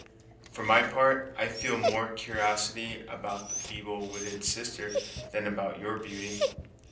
For my part, I feel more cur'osity about the feeble witted sister than about your beauty.